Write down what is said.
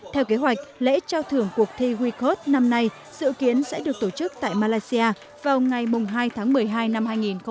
theo kế hoạch lễ trao thưởng cuộc thi wecode năm nay dự kiến sẽ được tổ chức tại malaysia vào ngày hai tháng một mươi hai năm hai nghìn hai mươi